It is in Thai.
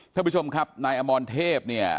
ท่านผู้ชมครับนายอมรเทพเนี่ย